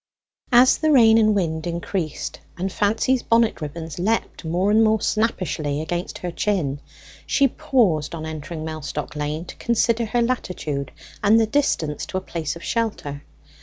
As the rain and wind increased, and Fancy's bonnet ribbons leapt more and more snappishly against her chin, she paused on entering Mellstock Lane to consider her latitude, and the distance to a place of shelter.